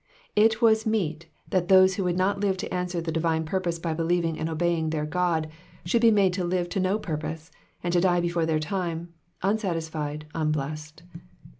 It was meet that those who woul(3 not live to answer the divine purpose by believing and obeying their God should be made to live to no purpose, and to die before their time, unsatis fied, uublest.